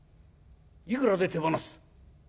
「いくらで手放す？」。